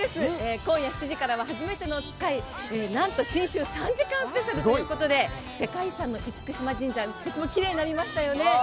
今夜７時からは、はじめてのおつかい、なんと新春３時間スペシャルということで、世界遺産の厳島神社、とてもきれいになりましたよね。